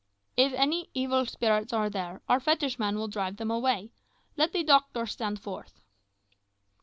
"If evil spirits are there, our fetishman will drive them away. Let the doctor stand forth."